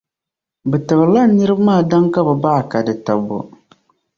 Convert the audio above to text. Bɛ tibirila n niriba maa daŋa ka bɛ baɣa ka tibbu.